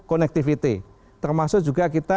connectivity termasuk juga kita